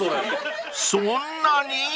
［そんなに？］